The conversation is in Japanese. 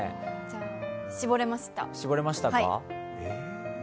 じゃあ絞れました。